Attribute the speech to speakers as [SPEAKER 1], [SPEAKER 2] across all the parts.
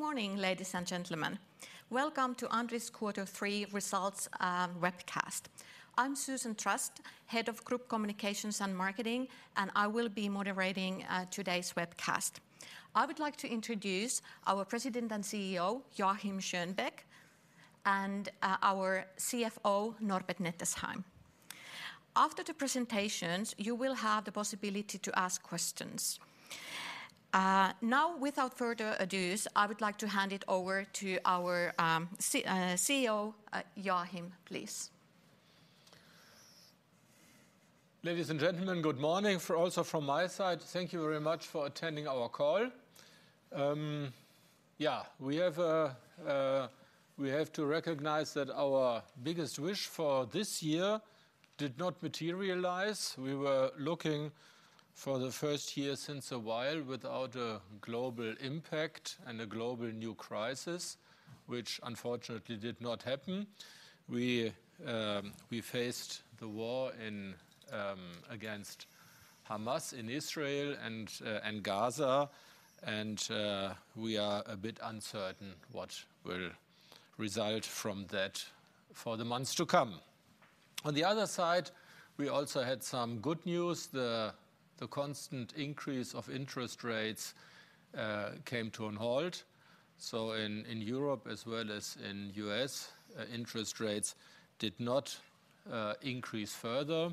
[SPEAKER 1] Good morning, ladies and gentlemen. Welcome to Andritz's quarter three results webcast. I'm Susan Trast, Head of Group Communications and Marketing, and I will be moderating today's webcast. I would like to introduce our President and CEO, Joachim Schönbeck, and our CFO, Norbert Nettesheim. After the presentations, you will have the possibility to ask questions. Now, without further ado, I would like to hand it over to our CEO, Joachim, please.
[SPEAKER 2] Ladies and gentlemen, good morning also from my side. Thank you very much for attending our call. Yeah, we have to recognize that our biggest wish for this year did not materialize. We were looking for the first year since a while without a global impact and a global new crisis, which unfortunately did not happen. We faced the war in against Hamas in Israel and and Gaza, and we are a bit uncertain what will result from that for the months to come. On the other side, we also had some good news. The constant increase of interest rates came to a halt, so in Europe as well as in U.S., interest rates did not increase further.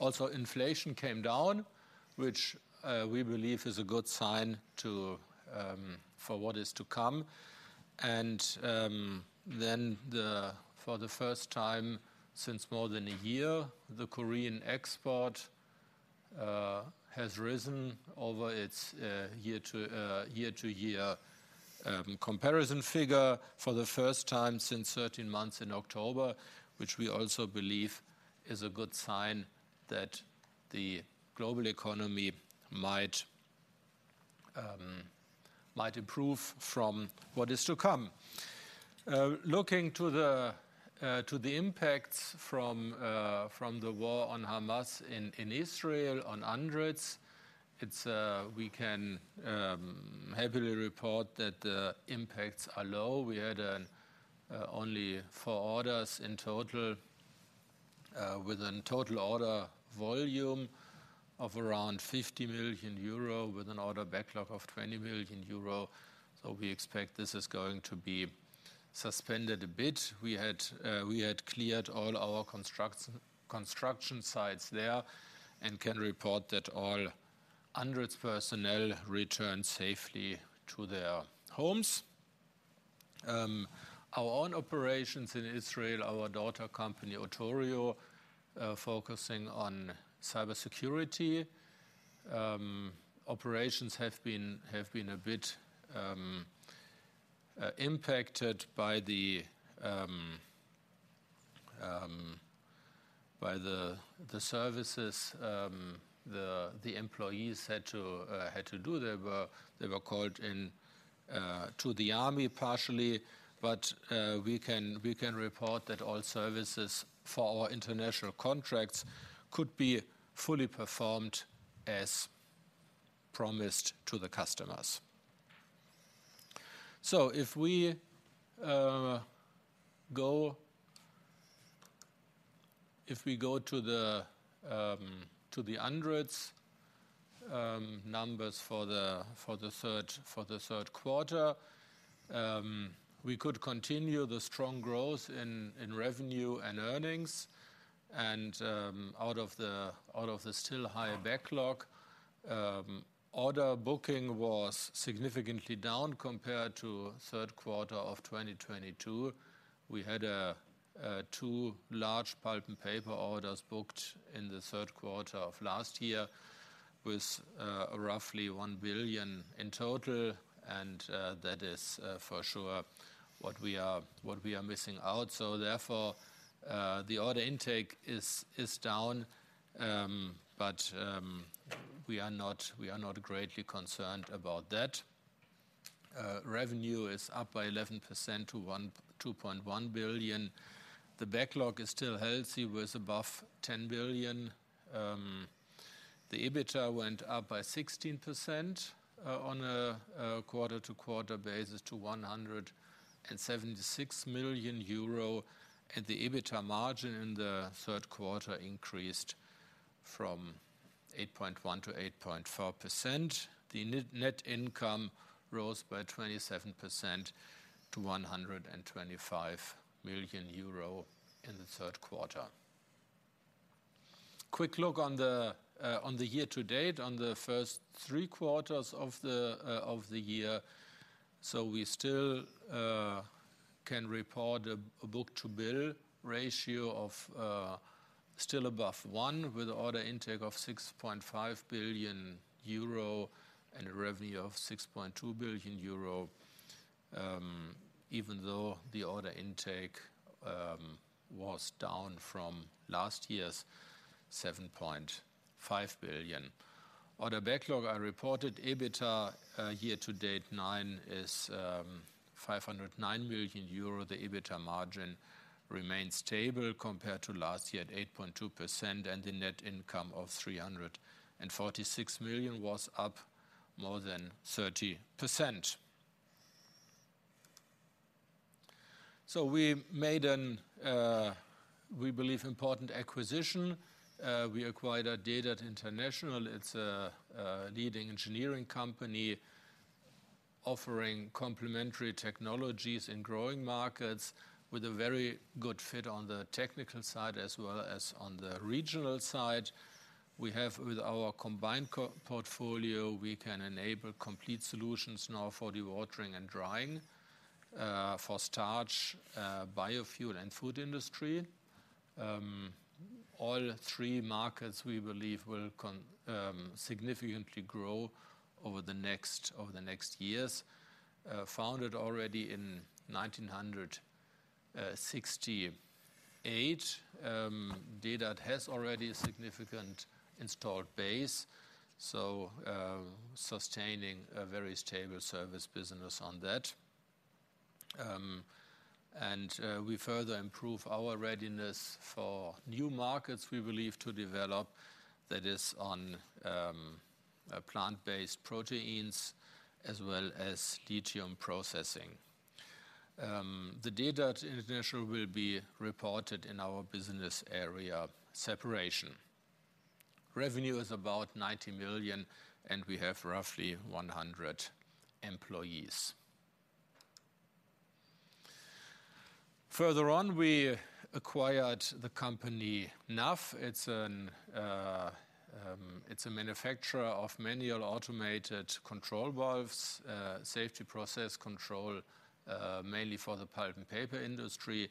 [SPEAKER 2] Also, inflation came down, which, we believe is a good sign to, for what is to come. And, then the, for the first time since more than a year, the Korean export, has risen over its, year-to, year-to-year, comparison figure for the first time since 13 months in October, which we also believe is a good sign that the global economy might, might improve from what is to come. Looking to the, to the impacts from, from the war on Hamas in, in Israel, on Andritz, it's. We can, happily report that the impacts are low. We had only four orders in total, with a total order volume of around 50 million euro, with an order backlog of 20 million euro. So we expect this is going to be suspended a bit. We had cleared all our construction sites there and can report that all Andritz personnel returned safely to their homes. Our own operations in Israel, our daughter company, OTORIO, focusing on cybersecurity. Operations have been a bit impacted by the services the employees had to do. They were called in to the army, partially, but we can report that all services for our international contracts could be fully performed as promised to the customers. So if we go to the Andritz numbers for the third quarter, we could continue the strong growth in revenue and earnings. Out of the still high backlog, order booking was significantly down compared to third quarter of 2022. We had two large Pulp and Paper orders booked in the third quarter of last year, with roughly 1 billion in total, and that is for sure what we are missing out. So therefore, the order intake is down, but we are not greatly concerned about that. Revenue is up by 11% to 1.2 billion. The backlog is still healthy, with above 10 billion. The EBITDA went up by 16% on a quarter-to-quarter basis to 176 million euro, and the EBITDA margin in the third quarter increased from 8.1% to 8.4%. The net income rose by 27% to 125 million euro in the third quarter. Quick look on the year to date, on the first three quarters of the year. So we still can report a book-to-bill ratio still above one, with order intake of 6.5 billion euro and a revenue of 6.2 billion euro, even though the order intake was down from last year's 7.5 billion. Order backlog, I reported EBITDA year to date is 509 million euro. The EBITDA margin remains stable compared to last year at 8.2%, and the net income of 346 million was up more than 30%. So we made an, we believe, important acquisition. We acquired Dedert International. It's a leading engineering company offering complementary technologies in growing markets, with a very good fit on the technical side as well as on the regional side. We have with our combined portfolio, we can enable complete solutions now for dewatering and drying for starch, biofuel, and food industry. All three markets, we believe, will significantly grow over the next years. Founded already in 1968, Dedert has already a significant installed base, so sustaining a very stable service business on that. And we further improve our readiness for new markets we believe to develop, that is on plant-based proteins as well as deuterium processing. The Dedert International will be reported in our business area Separation. Revenue is about 90 million, and we have roughly 100 employees. Further on, we acquired the company NAF. It's an, it's a manufacturer of manual automated control valves, safety process control, mainly for the Pulp and Paper industry.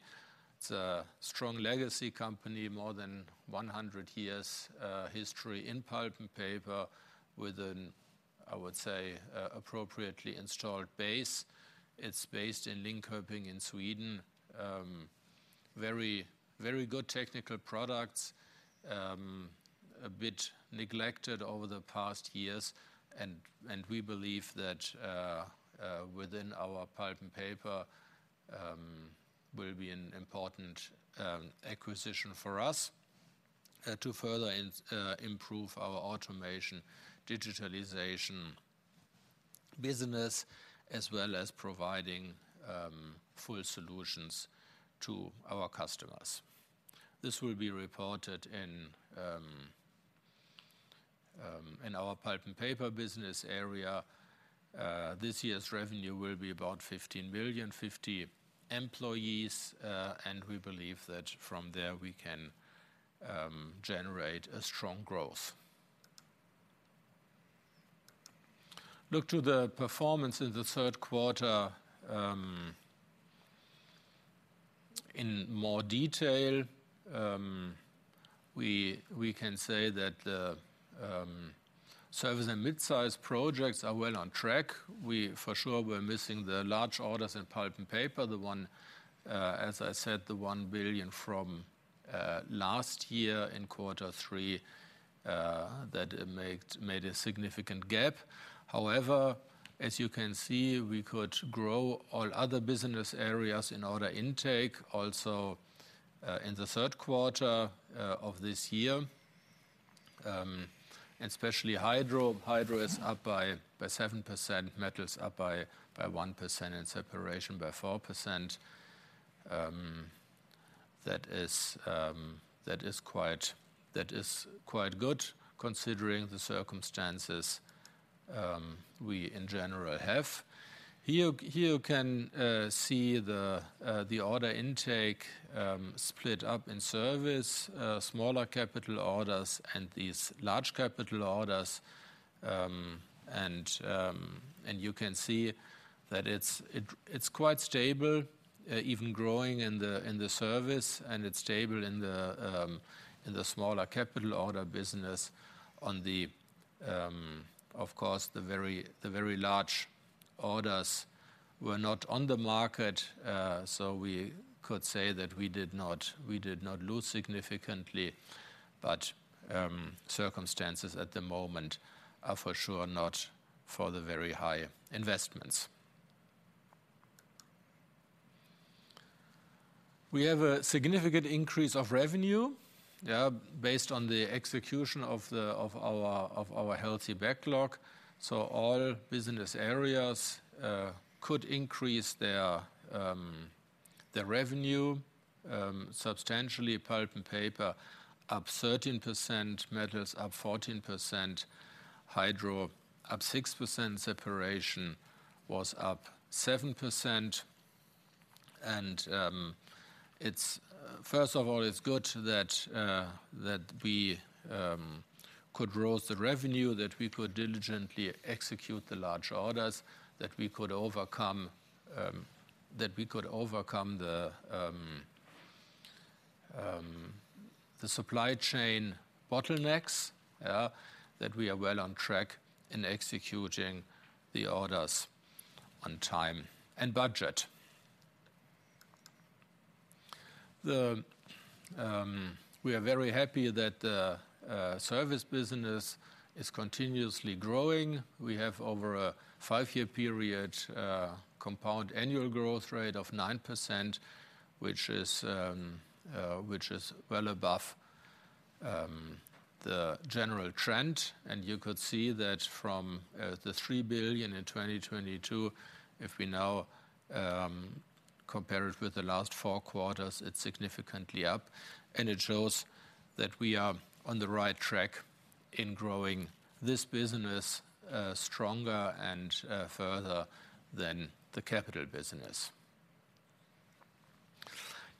[SPEAKER 2] It's a strong legacy company, more than 100 years' history in Pulp and Paper, with an, I would say, appropriately installed base. It's based in Linköping, in Sweden. Very, very good technical products, a bit neglected over the past years, and, and we believe that, within our Pulp and Paper will be an important acquisition for us, to further improve our automation, digitalization business, as well as providing full solutions to our customers. This will be reported in, in our Pulp and Paper business area. This year's revenue will be about 15 billion, 50 employees, and we believe that from there we can generate a strong growth. Look to the performance in the third quarter in more detail. We can say that the service and mid-size projects are well on track. We for sure were missing the large orders in Pulp and Paper, the one, as I said, the 1 billion from last year in quarter three, that made a significant gap. However, as you can see, we could grow all other business areas in order intake, also, in the third quarter of this year. Especially Hydro. Hydro is up by 7%, Metals up by 1%, and separation by 4%. That is quite good, considering the circumstances we in general have. Here you can see the order intake split up in service, smaller capital orders and these large capital orders. And you can see that it's quite stable, even growing in the service, and it's stable in the smaller capital order business. Of course, the very large orders were not on the market, so we could say that we did not lose significantly. But circumstances at the moment are for sure not for the very high investments. We have a significant increase of revenue, yeah, based on the execution of our healthy backlog. So all business areas could increase their revenue substantially. Pulp and paper up 13%, Metals up 14%, Hydro up 6%, separation was up 7%. And it's good that we could raise the revenue, that we could diligently execute the large orders, that we could overcome the supply chain bottlenecks, that we are well on track in executing the orders on time and budget... We are very happy that the service business is continuously growing. We have over a five-year period compound annual growth rate of 9%, which is well above the general trend. You could see that from the 3 billion in 2022, if we now compare it with the last four quarters, it's significantly up. And it shows that we are on the right track in growing this business stronger and further than the capital business.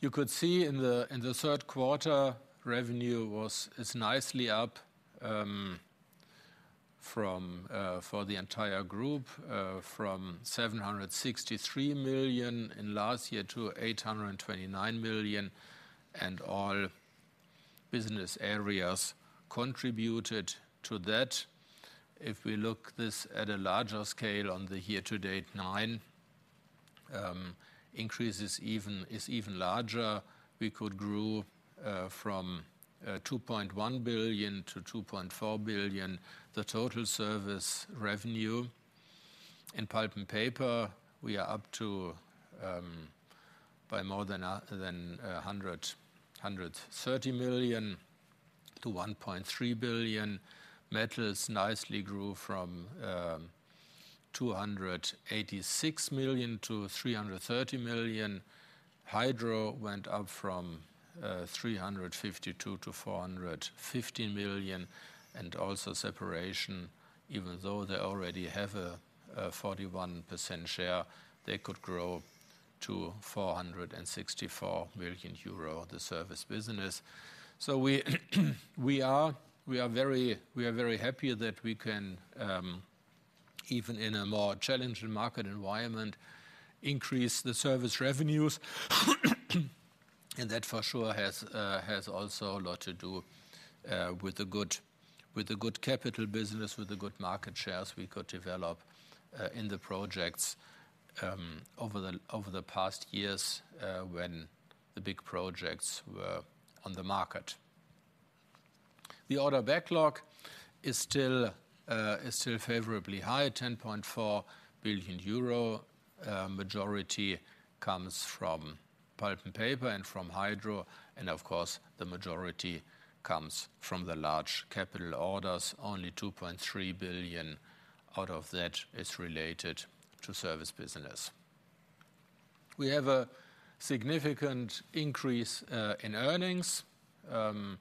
[SPEAKER 2] You could see in the third quarter, revenue is nicely up from for the entire group from 763 million in last year to 829 million, and all business areas contributed to that. If we look this at a larger scale on the year to date, nine increase is even larger. We could grew from 2.1 billion to 2.4 billion, the total service revenue. In Pulp and Paper, we are up by more than 130 million to 1.3 billion. Metals nicely grew from 286 million to 330 million. Hydro went up from 352 million to 450 million. Also, Separation, even though they already have a 41% share, could grow to 464 million euro, the service business. So we are very happy that we can, even in a more challenging market environment, increase the service revenues. That for sure has also a lot to do with the good capital business with the good market shares we could develop in the projects over the past years when the big projects were on the market. The order backlog is still favorably high, 10.4 billion euro. Majority comes from Pulp and Paper and from Hydro, and of course, the majority comes from the large capital orders. Only 2.3 billion out of that is related to service business. We have a significant increase in earnings, and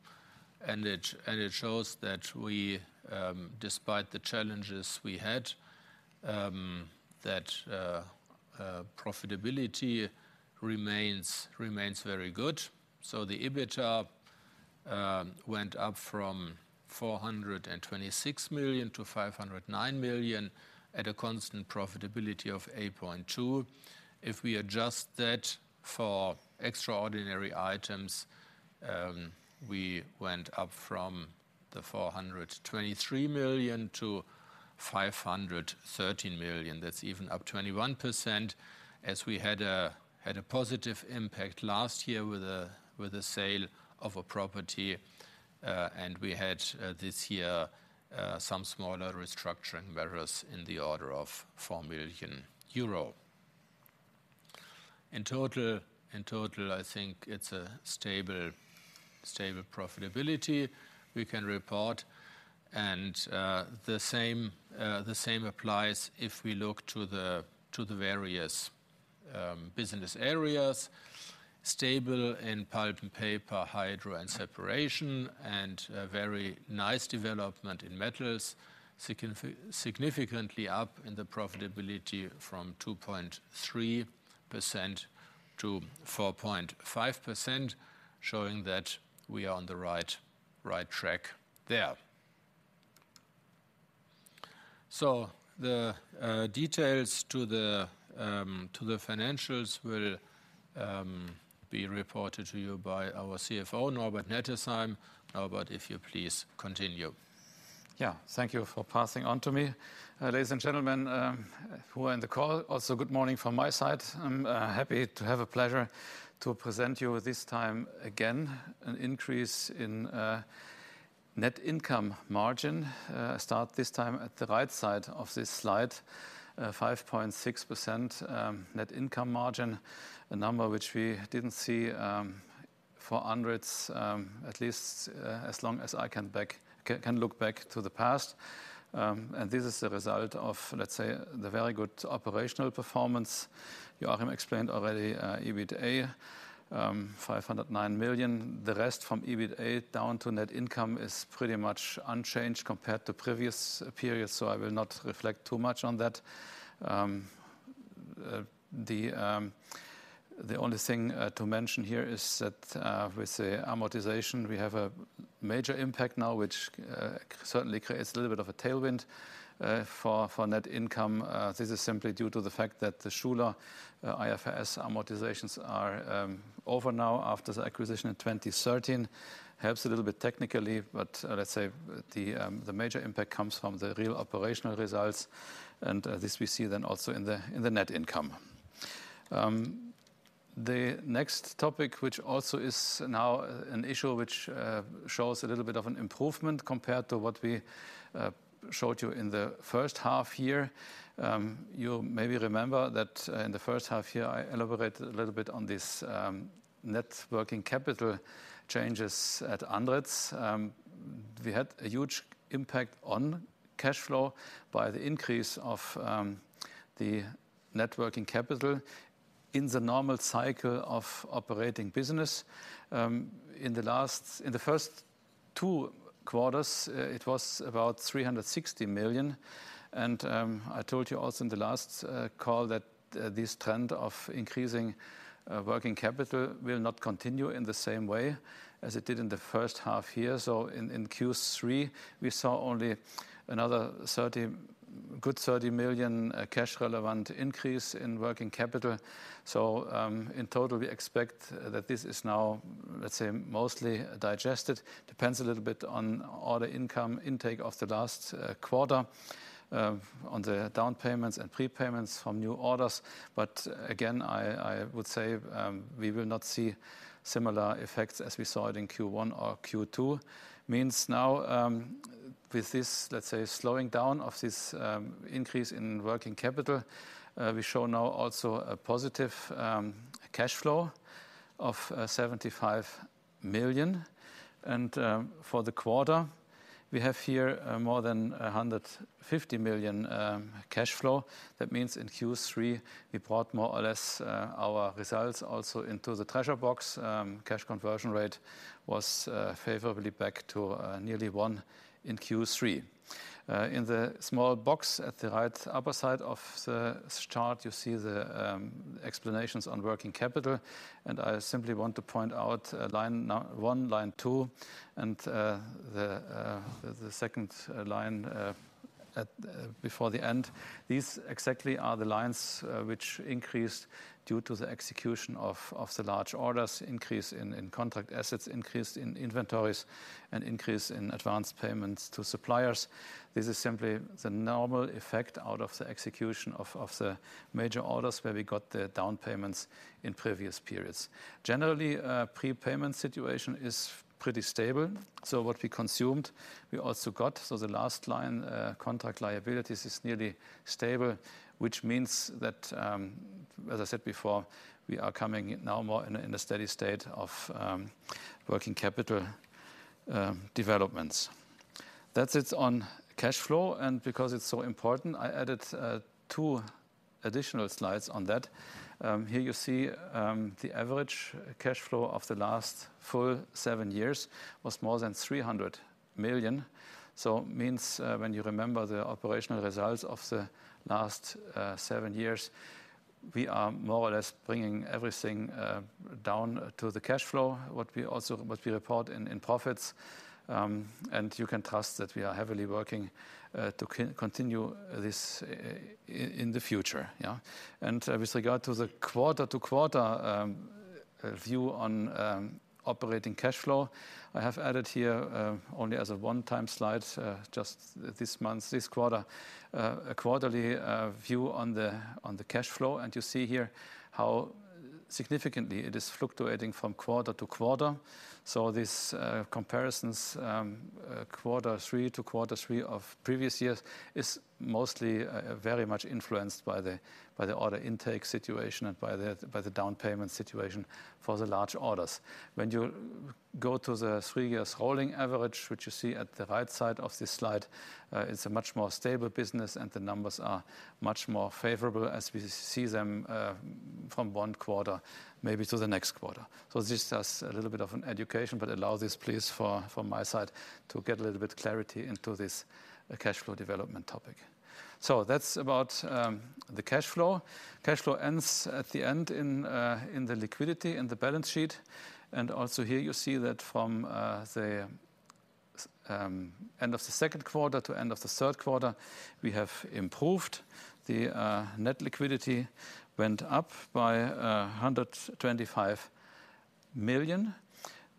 [SPEAKER 2] it shows that we, despite the challenges we had, that profitability remains very good. So the EBITDA went up from 426 million to 509 million, at a constant profitability of 8.2%. If we adjust that for extraordinary items, we went up from 423 million to 513 million. That's even up 21%, as we had a positive impact last year with the sale of a property, and we had this year some smaller restructuring measures in the order of EUR 4 million. In total, I think it's a stable profitability we can report, and the same applies if we look to the various business areas. Stable in Pulp and Paper, Hydro and Separation, and a very nice development in Metals, significantly up in the profitability from 2.3% to 4.5%, showing that we are on the right track there. So the details to the financials will be reported to you by our CFO, Norbert Nettesheim. Norbert, if you please continue.
[SPEAKER 3] Yeah. Thank you for passing on to me. Ladies and gentlemen who are on the call, also good morning from my side. I'm happy to have the pleasure to present to you this time again an increase in net income margin. Start this time at the right side of this slide, 5.6% net income margin, a number which we didn't see for hundreds, at least, as long as I can look back to the past. And this is a result of, let's say, the very good operational performance. Joachim explained already EBITDA, 509 million. The rest from EBITDA down to net income is pretty much unchanged compared to previous periods, so I will not reflect too much on that. The only thing to mention here is that with the amortization, we have a major impact now, which certainly creates a little bit of a tailwind for net income. This is simply due to the fact that the Schuler IFRS amortizations are over now after the acquisition in 2013. Helps a little bit technically, but let's say the major impact comes from the real operational results, and this we see then also in the net income. The next topic, which also is now an issue which shows a little bit of an improvement compared to what we showed you in the first half year. You maybe remember that in the first half year, I elaborated a little bit on this net working capital changes at ANDRITZ. We had a huge impact on cash flow by the increase of the net working capital in the normal cycle of operating business. In the first two quarters, it was about 360 million, and I told you also in the last call that this trend of increasing working capital will not continue in the same way as it did in the first half year. So in Q3, we saw only another 30 million, good 30 million cash relevant increase in working capital. So in total, we expect that this is now, let's say, mostly digested. Depends a little bit on order income, intake of the last quarter, on the down payments and prepayments from new orders. But again, I, I would say, we will not see similar effects as we saw it in Q1 or Q2. Means now, with this, let's say, slowing down of this increase in working capital, we show now also a positive cash flow of 75 million. And, for the quarter, we have here more than 150 million cash flow. That means in Q3, we brought more or less our results also into the treasure box. Cash conversion rate was favorably back to nearly one in Q3. In the small box at the right upper side of the chart, you see the explanations on working capital, and I simply want to point out line one, line two, and the second line before the end. These exactly are the lines which increased due to the execution of the large orders, increase in contract assets, increase in inventories, and increase in advance payments to suppliers. This is simply the normal effect out of the execution of the major orders, where we got the down payments in previous periods. Generally, prepayment situation is pretty stable, so what we consumed, we also got. So the last line, contract liabilities, is nearly stable, which means that, as I said before, we are coming now more in a steady state of working capital developments. That's it on cash flow, and because it's so important, I added two additional slides on that. Here you see the average cash flow of the last full seven years was more than 300 million. So it means, when you remember the operational results of the last seven years, we are more or less bringing everything down to the cash flow, what we report in profits. And you can trust that we are heavily working to continue this in the future. Yeah. With regard to the quarter-to-quarter view on operating cash flow, I have added here only as a one-time slide just this month, this quarter, a quarterly view on the cash flow. You see here how significantly it is fluctuating from quarter to quarter. This comparisons quarter three to quarter three of previous years is mostly very much influenced by the order intake situation and by the down payment situation for the large orders. When you go to the three years rolling average, which you see at the right side of this slide, it's a much more stable business, and the numbers are much more favorable as we see them from one quarter, maybe to the next quarter. So this is just a little bit of an education, but allow this please, from my side, to get a little bit clarity into this, cash flow development topic. So that's about, the cash flow. Cash flow ends at the end in, in the liquidity, in the balance sheet. And also here you see that from the end of the second quarter to end of the third quarter, we have improved. The net liquidity went up by 125 million.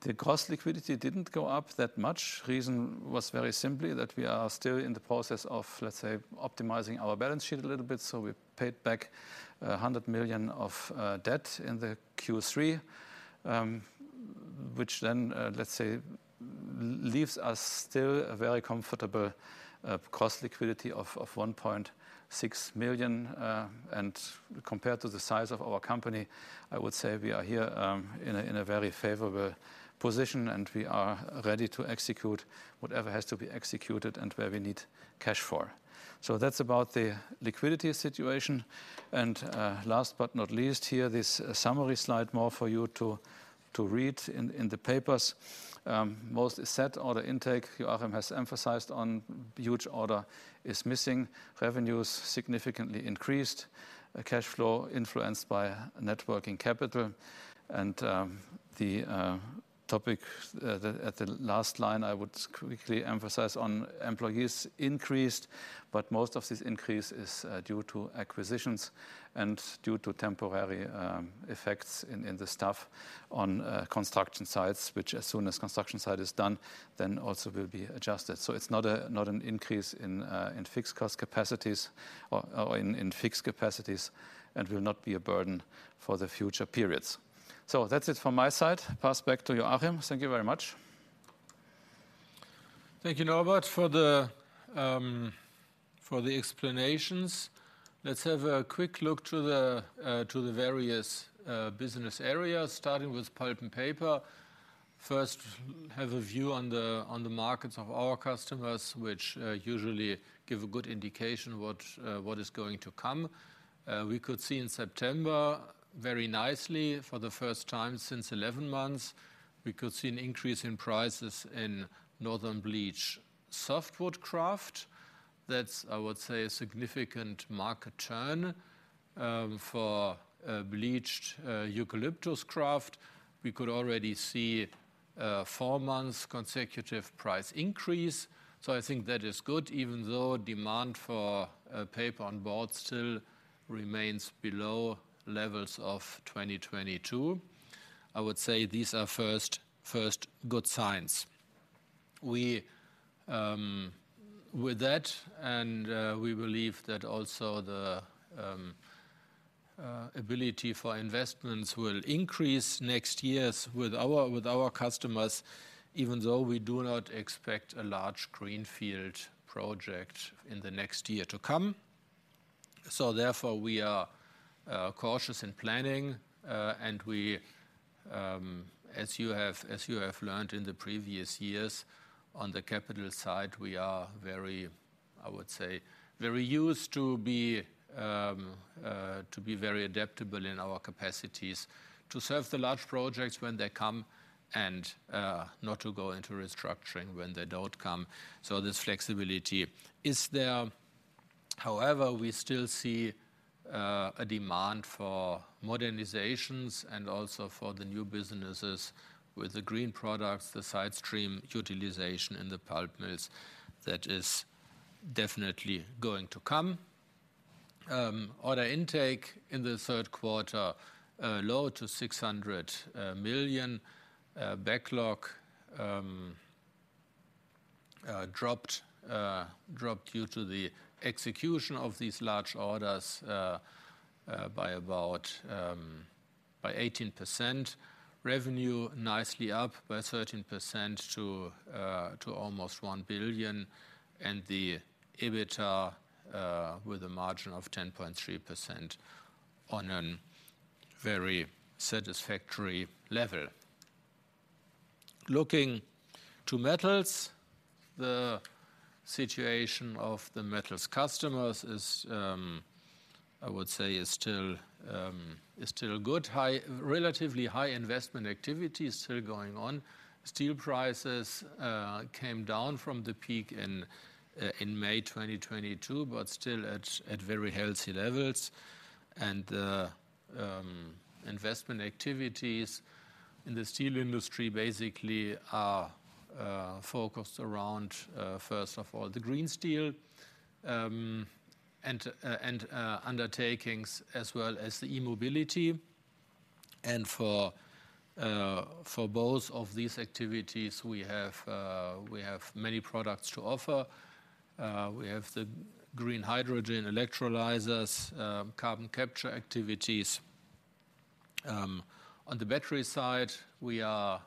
[SPEAKER 3] The gross liquidity didn't go up that much. Reason was very simply that we are still in the process of, let's say, optimizing our balance sheet a little bit, so we paid back 100 million of debt in the Q3. Which then, let's say, leaves us still a very comfortable cash liquidity of 1.6 million. And compared to the size of our company, I would say we are here in a very favorable position, and we are ready to execute whatever has to be executed and where we need cash for. So that's about the liquidity situation. And last but not least, here, this summary slide more for you to read in the papers. Highest order intake, Joachim has emphasized on huge order is missing. Revenues significantly increased. Cash flow influenced by net working capital. The topic at the last line, I would quickly emphasize on employees increased, but most of this increase is due to acquisitions and due to temporary effects in the staff on construction sites, which as soon as construction site is done, then also will be adjusted. So it's not an increase in fixed cost capacities or in fixed capacities and will not be a burden for the future periods. So that's it from my side. Pass back to Joachim. Thank you very much....
[SPEAKER 2] Thank you, Norbert, for the explanations. Let's have a quick look to the various business areas, starting with Pulp and Paper. First, have a view on the markets of our customers, which usually give a good indication what is going to come. We could see in September, very nicely, for the first time since 11 months, we could see an increase in prices in Northern Bleached Softwood Kraft. That's, I would say, a significant market turn. For Bleached Eucalyptus Kraft, we could already see a four-month consecutive price increase. So I think that is good, even though demand for paper and board still remains below levels of 2022. I would say these are first, first good signs. We, with that, and, we believe that also the ability for investments will increase next years with our customers, even though we do not expect a large greenfield project in the next year to come. So therefore, we are cautious in planning, and we, as you have learned in the previous years, on the capital side, we are very, I would say, very used to be very adaptable in our capacities to serve the large projects when they come and not to go into restructuring when they don't come, so this flexibility is there. However, we still see a demand for modernizations and also for the new businesses with the green products, the sidestream utilization in the pulp mills, that is definitely going to come. Order intake in the third quarter, low to 600 million. Backlog dropped due to the execution of these large orders by about 18%. Revenue, nicely up by 13% to almost 1 billion, and the EBITDA with a margin of 10.3% on a very satisfactory level. Looking to Metals, the situation of the Metals customers is, I would say, still good. Relatively high investment activity is still going on. Steel prices came down from the peak in May 2022, but still at very healthy levels. Investment activities in the steel industry basically are focused around, first of all, the green steel and undertakings, as well as the e-mobility. And for both of these activities, we have many products to offer. We have the green hydrogen electrolyzers, carbon capture activities. On the battery side, we are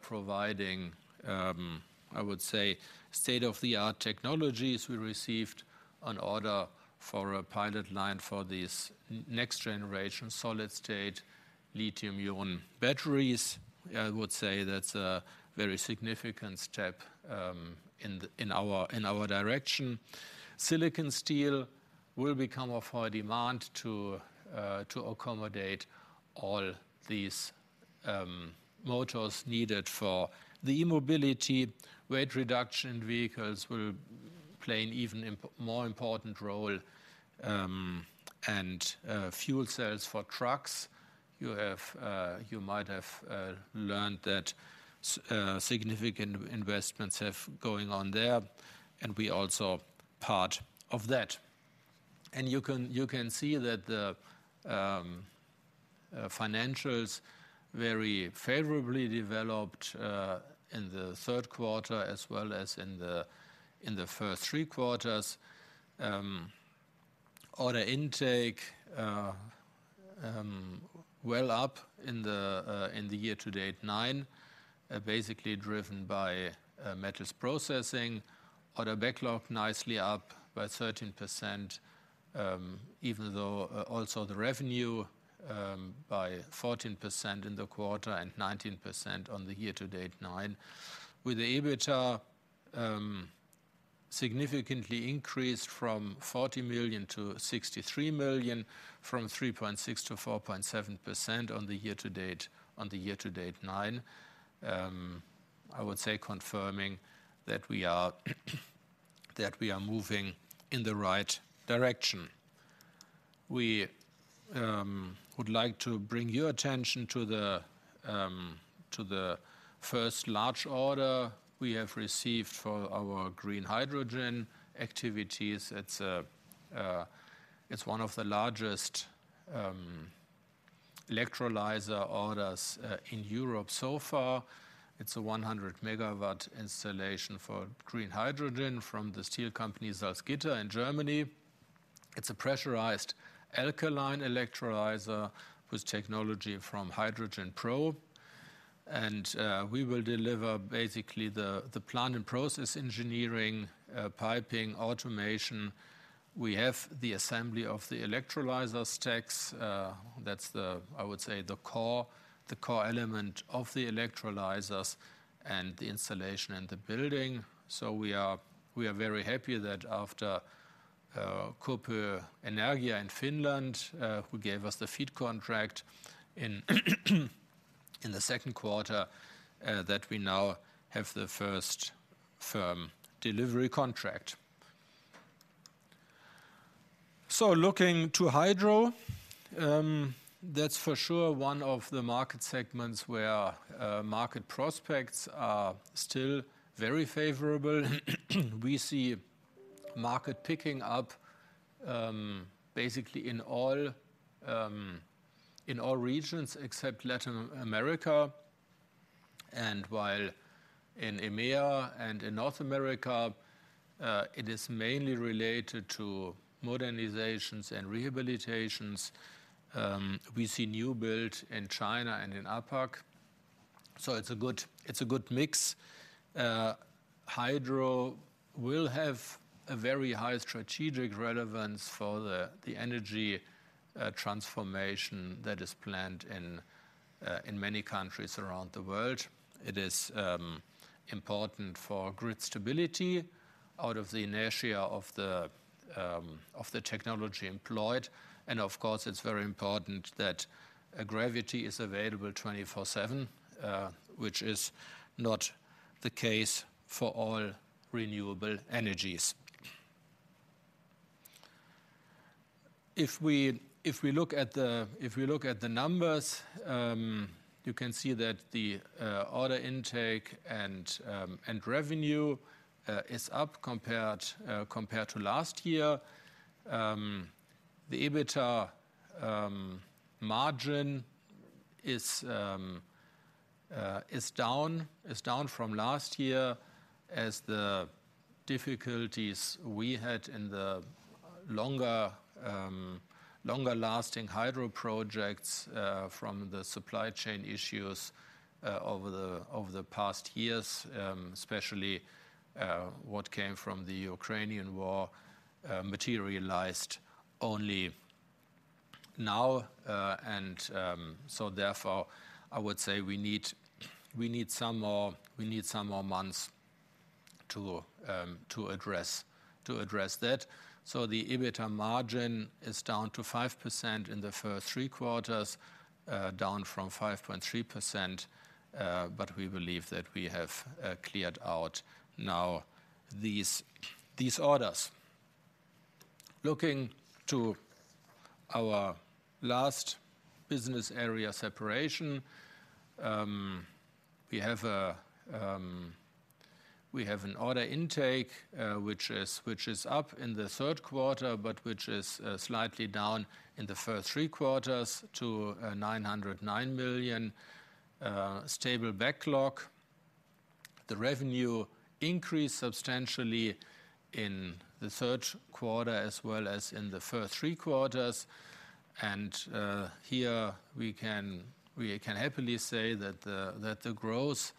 [SPEAKER 2] providing, I would say, state-of-the-art technologies. We received an order for a pilot line for these next generation solid-state lithium-ion batteries. I would say that's a very significant step in our direction. Silicon steel will become of high demand to accommodate all these motors needed for the e-mobility. Weight reduction vehicles will play an even more important role, and fuel cells for trucks. You might have learned that significant investments have going on there, and we also part of that. You can see that the financials very favorably developed in the third quarter, as well as in the first three quarters. Order intake well up in the year-to-date 9, basically driven by Metals processing. Order backlog, nicely up by 13%, even though also the revenue by 14% in the quarter and 19% on the year-to-date 9. With the EBITDA significantly increased from 40 million to 63 million, from 3.6% to 4.7% on the year-to-date 9. I would say confirming that we are moving in the right direction. We would like to bring your attention to the first large order we have received for our green hydrogen activities. It's a... It's one of the largest electrolyzer orders in Europe so far. It's a 100 MW installation for green hydrogen from the steel company, Salzgitter, in Germany. It's a pressurized alkaline electrolyzer with technology from HydrogenPro. And we will deliver basically the plant and process engineering, piping, automation. We have the assembly of the electrolyzer stacks. That's the, I would say, the core element of the electrolyzers and the installation and the building. So we are very happy that after Koppö Energia in Finland, who gave us the feed contract in the second quarter, that we now have the first firm delivery contract. So looking to Hydro, that's for sure one of the market segments where market prospects are still very favorable. We see market picking up, basically in all regions except Latin America. While in EMEA and in North America, it is mainly related to modernizations and rehabilitations, we see new build in China and in APAC. So it's a good mix. Hydro will have a very high strategic relevance for the energy transformation that is planned in many countries around the world. It is important for grid stability out of the inertia of the technology employed. Of course, it's very important that gravity is available 24/7, which is not the case for all renewable energies. If we look at the numbers, you can see that the order intake and revenue is up compared to last year. The EBITDA margin is down from last year as the difficulties we had in the longer-lasting Hydro projects from the supply chain issues over the past years, especially what came from the Ukrainian war materialized only now. And so therefore, I would say we need some more months to address that. So the EBITDA margin is down to 5% in the first three quarters, down from 5.3%. But we believe that we have cleared out now these orders. Looking to our last business area, Separation, we have an order intake which is up in the third quarter, but which is slightly down in the first three quarters to 909 million, stable backlog. The revenue increased substantially in the third quarter as well as in the first three quarters. And here we can happily say that the growth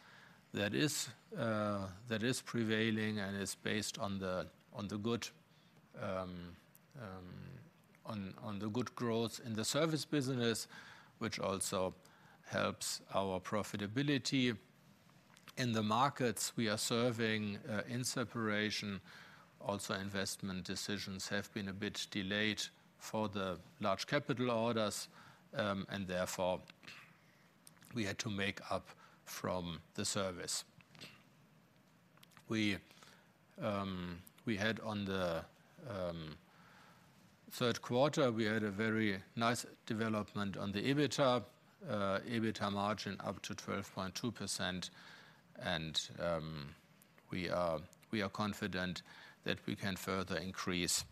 [SPEAKER 2] that is prevailing and is based on the good growth in the service business, which also helps our profitability. In the markets we are serving in Separation, also, investment decisions have been a bit delayed for the large capital orders, and therefore, we had to make up from the service. We, we had on the, third quarter, we had a very nice development on the EBITDA, EBITDA margin up to 12.2%. And, we are, we are confident that we can further increase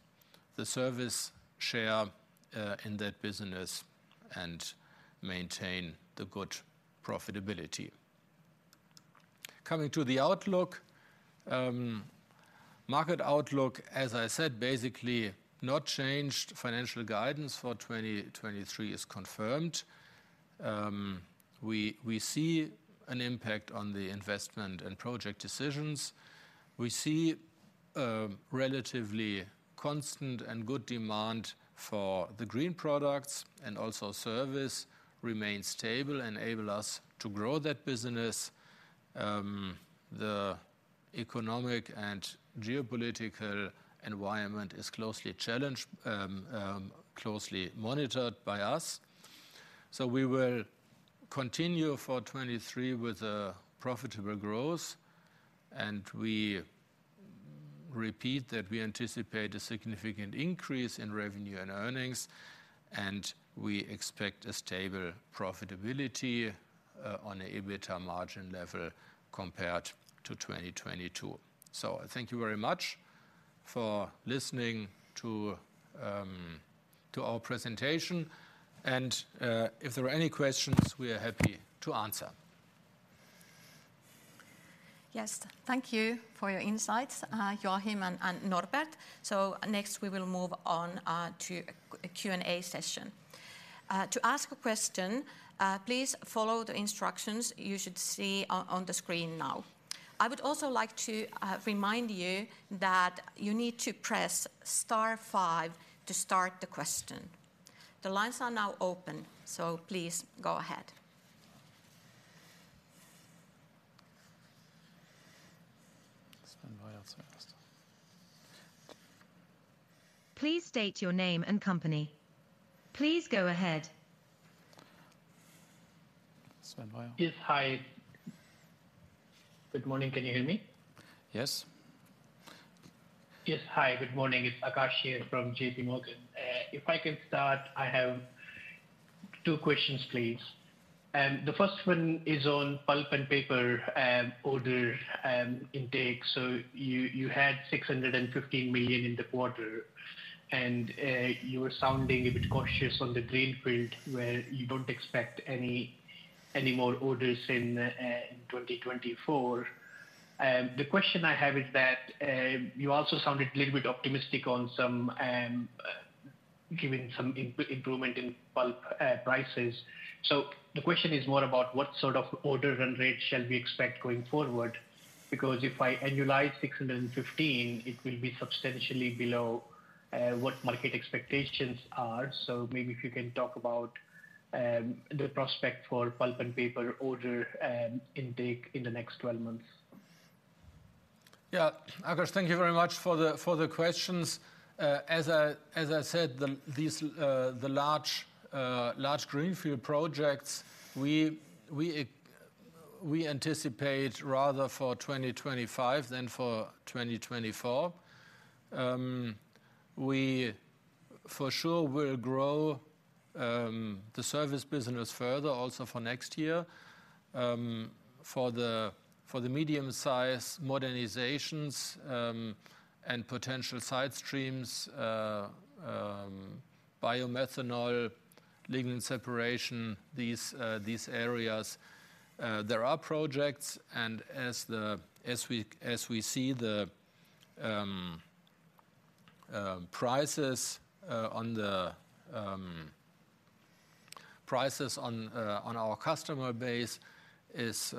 [SPEAKER 2] the service share, in that business and maintain the good profitability. Coming to the outlook, market outlook, as I said, basically not changed. Financial guidance for 2023 is confirmed. We, we see an impact on the investment and project decisions. We see a relatively constant and good demand for the green products, and also service remains stable, enable us to grow that business. The economic and geopolitical environment is closely challenged, closely monitored by us. So we will continue for 2023 with a profitable growth, and we repeat that we anticipate a significant increase in revenue and earnings, and we expect a stable profitability on the EBITDA margin level compared to 2022. So thank you very much for listening to our presentation, and if there are any questions, we are happy to answer....
[SPEAKER 1] Yes, thank you for your insights, Joachim and Norbert. So next, we will move on to a Q&A session. To ask a question, please follow the instructions you should see on the screen now. I would also like to remind you that you need to press star five to start the question. The lines are now open, so please go ahead.
[SPEAKER 4] Yes. Hi. Good morning. Can you hear me?
[SPEAKER 2] Yes.
[SPEAKER 4] Yes. Hi, good morning. It's Akash here from JP Morgan. If I can start, I have two questions, please. The first one is on Pulp and Paper, order intake. So you, you had 615 million in the quarter, and you were sounding a bit cautious on the greenfield, where you don't expect any, any more orders in 2024. The question I have is that, you also sounded a little bit optimistic on some, giving some improvement in pulp prices. So the question is more about what sort of order run rate shall we expect going forward? Because if I annualize 615, it will be substantially below, what market expectations are. Maybe if you can talk about the prospect for Pulp and Paper order intake in the next 12 months.
[SPEAKER 2] Yeah. Akash, thank you very much for the questions. As I said, these large greenfield projects, we anticipate rather for 2025 than for 2024. We for sure will grow the service business further also for next year. For the medium-sized modernizations and potential side streams, biomethanol, lignin separation, these areas, there are projects, and as we see the prices on our customer base is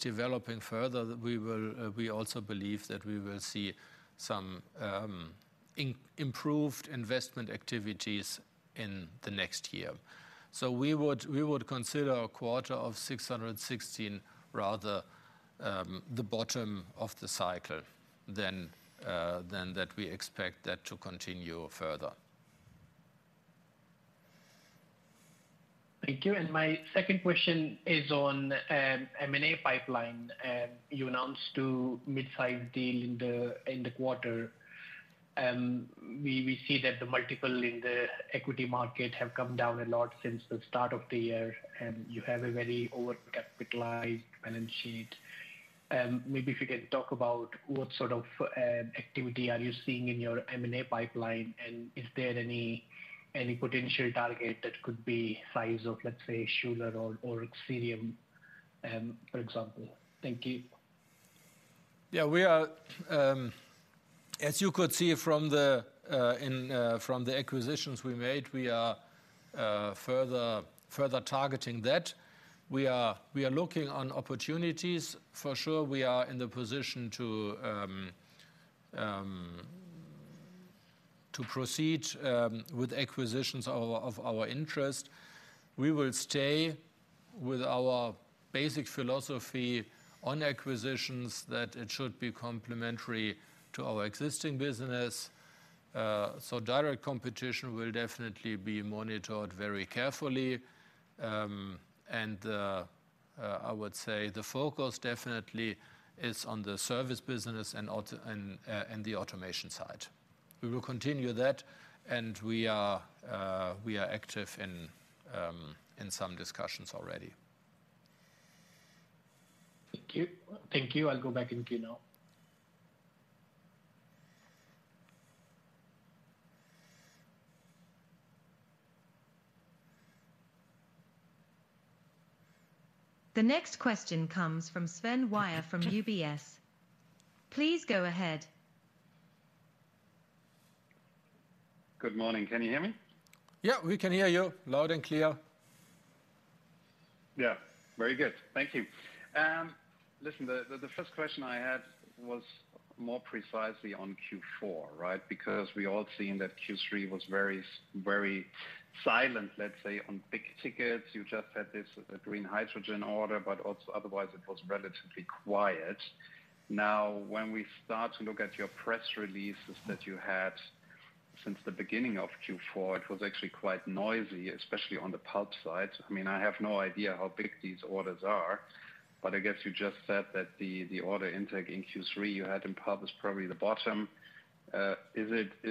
[SPEAKER 2] developing further, we also believe that we will see some improved investment activities in the next year. We would consider a quarter of 616 rather the bottom of the cycle than that we expect that to continue further.
[SPEAKER 4] Thank you. And my second question is on M&A pipeline. You announced a mid-size deal in the quarter, and we see that the multiple in the equity market have come down a lot since the start of the year, and you have a very overcapitalized balance sheet. Maybe if you can talk about what sort of activity are you seeing in your M&A pipeline, and is there any potential target that could be size of, let's say, Schuler or Xylem, for example? Thank you.
[SPEAKER 2] Yeah, we are, as you could see from the acquisitions we made, further targeting that. We are looking on opportunities. For sure, we are in the position to proceed with acquisitions of our interest. We will stay with our basic philosophy on acquisitions that it should be complementary to our existing business. So direct competition will definitely be monitored very carefully. And I would say the focus definitely is on the service business and automation side. We will continue that, and we are active in some discussions already.
[SPEAKER 4] Thank you. Thank you. I'll go back in queue now.
[SPEAKER 5] The next question comes from Sven Weier from UBS. Please go ahead.
[SPEAKER 6] Good morning. Can you hear me?
[SPEAKER 2] Yeah, we can hear you loud and clear.
[SPEAKER 6] Yeah, very good. Thank you. Listen, the first question I had was more precisely on Q4, right? Because we all seen that Q3 was very silent, let's say, on big tickets. You just had this green hydrogen order, but also otherwise, it was relatively quiet. Now, when we start to look at your press releases that you had since the beginning of Q4, it was actually quite noisy, especially on the pulp side. I mean, I have no idea how big these orders are, but I guess you just said that the order intake in Q3 you had in pulp is probably the bottom. Is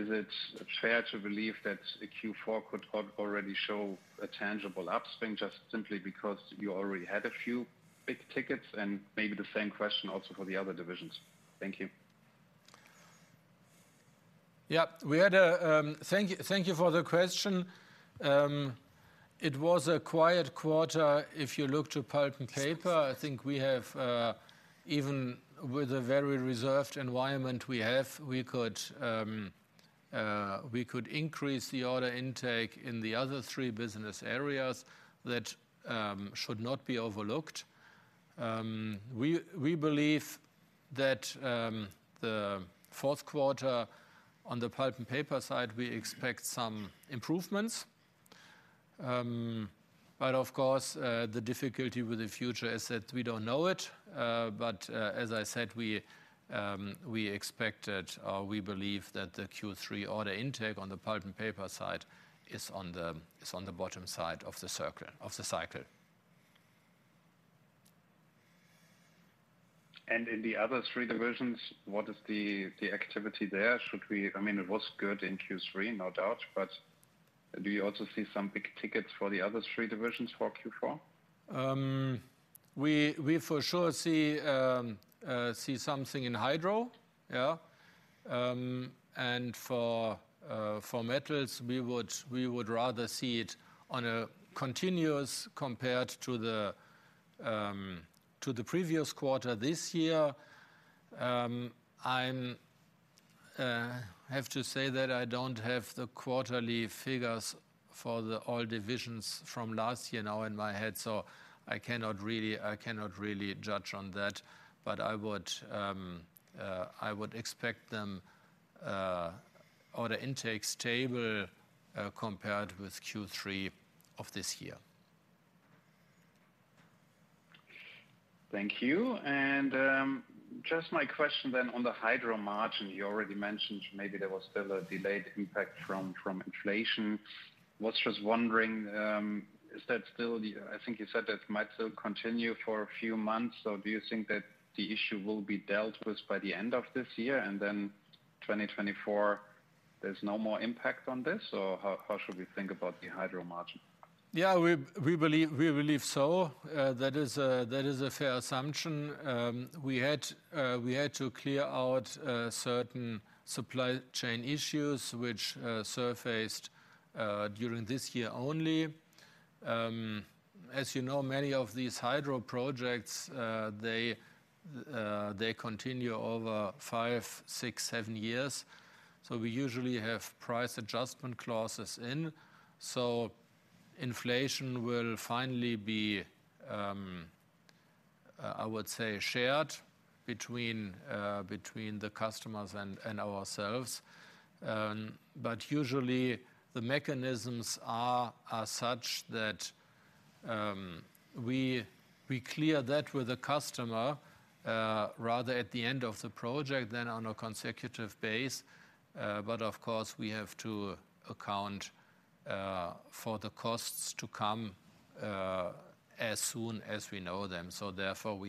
[SPEAKER 6] it fair to believe that Q4 could already show a tangible upswing just simply because you already had a few big tickets? And maybe the same question also for the other divisions. Thank you....
[SPEAKER 2] Yeah, we had a thank you, thank you for the question. It was a quiet quarter. If you look to Pulp and Paper, I think we have even with the very reserved environment we have, we could increase the order intake in the other three business areas that should not be overlooked. We believe that the fourth quarter on the Pulp and Paper side, we expect some improvements. But of course, the difficulty with the future is that we don't know it. But as I said, we expected, or we believe that the Q3 order intake on the Pulp and Paper side is on the bottom side of the cycle.
[SPEAKER 6] In the other three divisions, what is the activity there? Should we... I mean, it was good in Q3, no doubt, but do you also see some big tickets for the other three divisions for Q4?
[SPEAKER 2] We for sure see something in Hydro. Yeah. And for Metals, we would rather see it on a continuous compared to the previous quarter this year. I have to say that I don't have the quarterly figures for all divisions from last year now in my head, so I cannot really judge on that. But I would expect them order intake stable compared with Q3 of this year.
[SPEAKER 6] Thank you. Just my question then on the Hydro margin, you already mentioned maybe there was still a delayed impact from inflation. Was just wondering, is that still the—I think you said that might still continue for a few months. So do you think that the issue will be dealt with by the end of this year, and then 2024, there's no more impact on this? Or how should we think about the Hydro margin?
[SPEAKER 2] Yeah, we believe so. That is a fair assumption. We had to clear out certain supply chain issues which surfaced during this year only. As you know, many of these Hydro projects, they continue over five, six, seven years, so we usually have price adjustment clauses in. So inflation will finally be, I would say, shared between the customers and ourselves. But usually the mechanisms are such that we clear that with the customer rather at the end of the project than on a consecutive base. But of course, we have to account for the costs to come as soon as we know them. Therefore,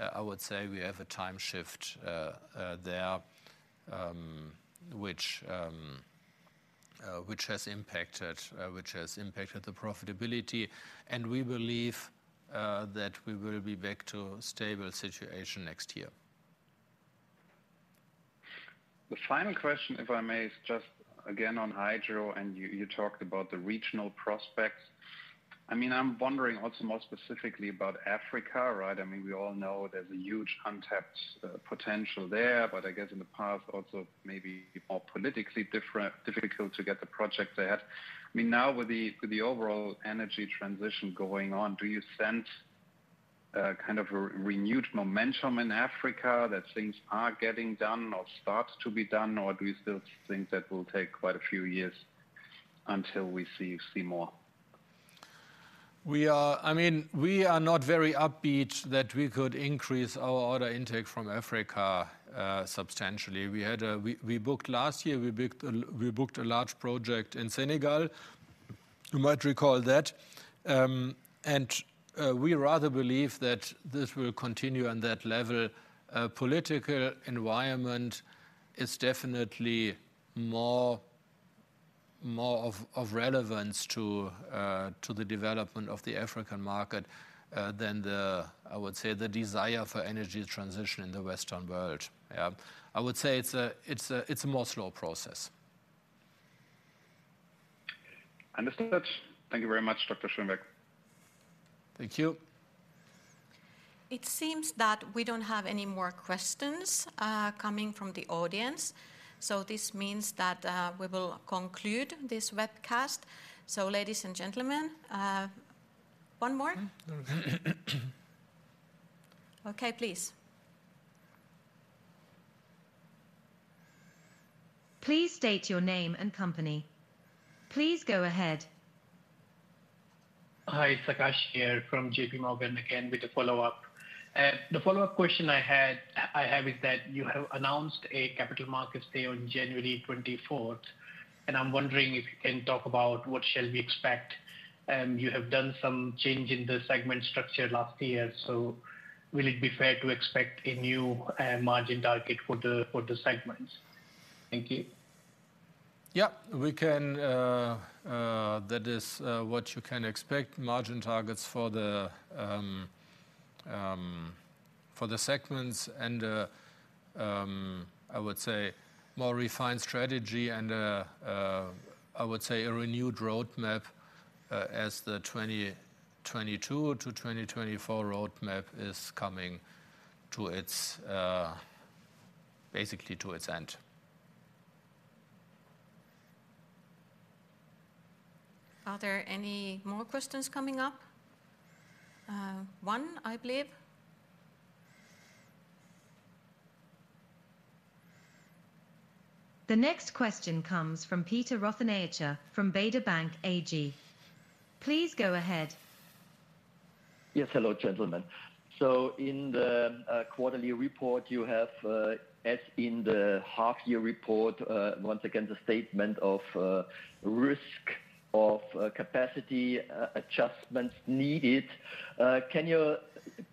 [SPEAKER 2] I would say we have a time shift there, which has impacted the profitability. We believe that we will be back to a stable situation next year.
[SPEAKER 6] The final question, if I may, is just again on Hydro, and you, you talked about the regional prospects. I mean, I'm wondering what's more specifically about Africa, right? I mean, we all know there's a huge untapped potential there, but I guess in the past, also maybe more politically different, difficult to get the project there. I mean, now with the, with the overall energy transition going on, do you sense kind of a renewed momentum in Africa that things are getting done or start to be done? Or do you still think that will take quite a few years until we see, see more?
[SPEAKER 2] We are—I mean, we are not very upbeat that we could increase our order intake from Africa substantially. We booked last year a large project in Senegal. You might recall that. And we rather believe that this will continue on that level. Political environment is definitely more of relevance to the development of the African market than the, I would say, the desire for energy transition in the Western world. Yeah. I would say it's a more slow process.
[SPEAKER 6] Understood. Thank you very much, Dr. Schönbeck.
[SPEAKER 2] Thank you.
[SPEAKER 1] It seems that we don't have any more questions coming from the audience, so this means that we will conclude this webcast. So ladies and gentlemen... One more? Okay, please.
[SPEAKER 5] Please state your name and company. Please go ahead.
[SPEAKER 4] Hi, it's Akash here from JP Morgan, again, with a follow-up. The follow-up question I had, I have is that you have announced a Capital Markets Day on January 24th, and I'm wondering if you can talk about what shall we expect. You have done some change in the segment structure last year, so will it be fair to expect a new, margin target for the, for the segments? Thank you. ...
[SPEAKER 2] Yeah, we can, that is, what you can expect, margin targets for the segments and I would say more refined strategy and I would say a renewed roadmap, as the 2022 to 2024 roadmap is coming to its basically to its end.
[SPEAKER 1] Are there any more questions coming up? One, I believe.
[SPEAKER 5] The next question comes from Peter Rothenaicher from Baader Bank AG. Please go ahead.
[SPEAKER 7] Yes. Hello, gentlemen. So in the quarterly report, you have, as in the half-year report, once again, the statement of risk of capacity adjustments needed. Can you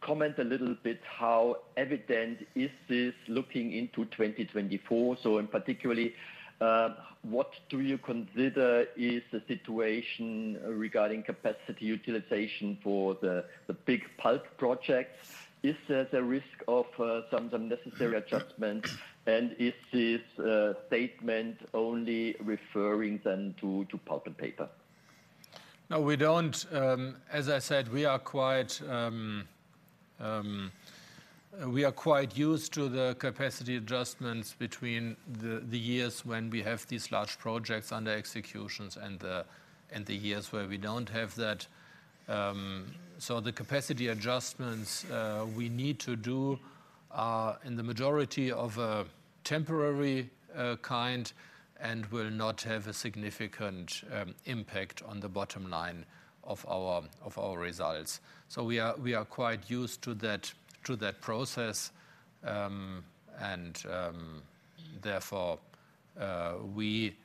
[SPEAKER 7] comment a little bit, how evident is this looking into 2024? So in particularly, what do you consider is the situation regarding capacity utilization for the big pulp projects? Is there the risk of some unnecessary adjustments? And is this statement only referring then to Pulp and Paper?
[SPEAKER 2] No, we don't. As I said, we are quite, we are quite used to the capacity adjustments between the, the years when we have these large projects under executions and the, and the years where we don't have that. So the capacity adjustments we need to do are in the majority of a temporary kind and will not have a significant impact on the bottom line of our, of our results. So we are, we are quite used to that, to that process. And, therefore, we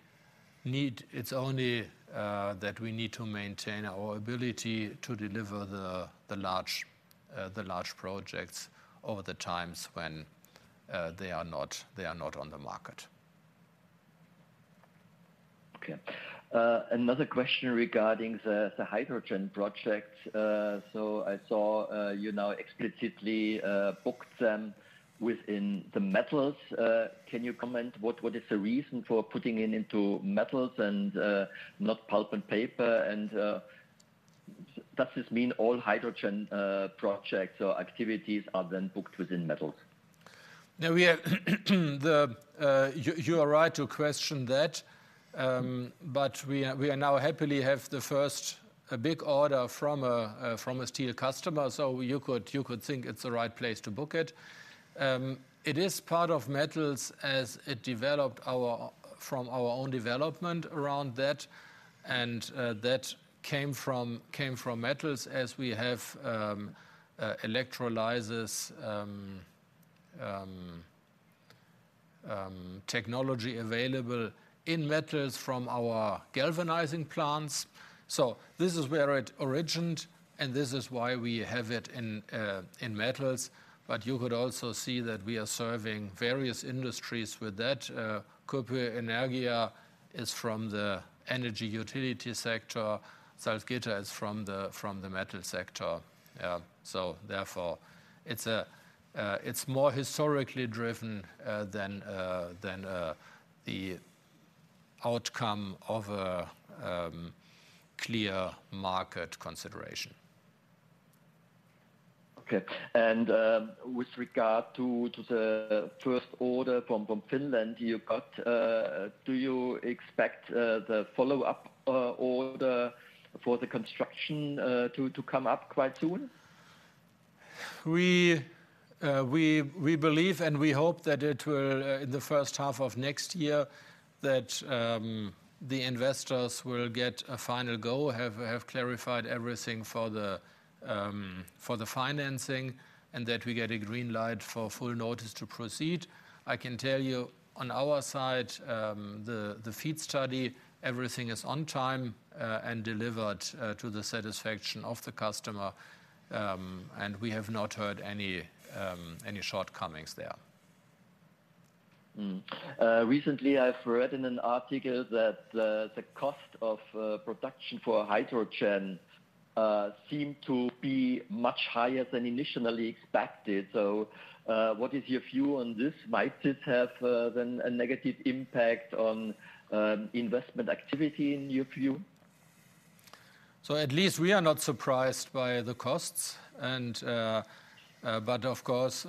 [SPEAKER 2] need... It's only that we need to maintain our ability to deliver the, the large, the large projects over the times when they are not, they are not on the market.
[SPEAKER 7] Okay. Another question regarding the Hydrogen project. So I saw you now explicitly booked them within the Metals. Can you comment what is the reason for putting it into Metals and not Pulp and Paper? And does this mean all Hydrogen projects or activities are then booked within Metals?
[SPEAKER 2] No, we have, the, You are right to question that, but we are now happily have the first big order from a from a steel customer, so you could think it's the right place to book it. It is part of Metals as it developed from our own development around that, and that came from Metals as we have electrolyzers technology available in Metals from our galvanizing plants. So this is where it originated, and this is why we have it in Metals. But you could also see that we are serving various industries with that. Koppö Energia is from the energy utility sector. Salzgitter is from the metal sector. So therefore, it's a, it's more historically driven than than the outcome of a clear market consideration.
[SPEAKER 7] Okay. And, with regard to the first order from Finland you got, do you expect the follow-up order for the construction to come up quite soon?
[SPEAKER 2] We believe and we hope that it will in the first half of next year, that the investors will get a final go, have clarified everything for the financing, and that we get a green light for full notice to proceed. I can tell you, on our side, the FEED study, everything is on time and delivered to the satisfaction of the customer, and we have not heard any shortcomings there.
[SPEAKER 7] Recently, I've read in an article that the cost of production for hydrogen seemed to be much higher than initially expected. So, what is your view on this? Might this have then a negative impact on investment activity in your view?
[SPEAKER 2] So at least we are not surprised by the costs, and, but of course,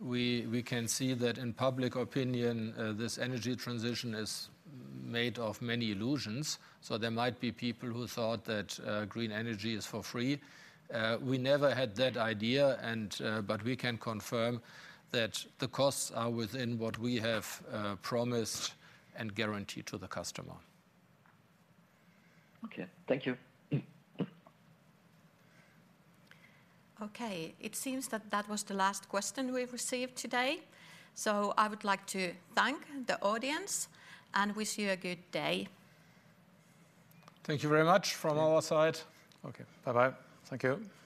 [SPEAKER 2] we can see that in public opinion, this energy transition is made of many illusions. So there might be people who thought that green energy is for free. We never had that idea, and, but we can confirm that the costs are within what we have promised and guaranteed to the customer.
[SPEAKER 7] Okay. Thank you.
[SPEAKER 1] Okay. It seems that that was the last question we've received today. So I would like to thank the audience and wish you a good day.
[SPEAKER 2] Thank you very much from our side.
[SPEAKER 6] Okay. Bye-bye.
[SPEAKER 2] Thank you.
[SPEAKER 6] Bye-bye.